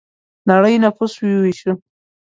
نړۍ نفوس وویشو.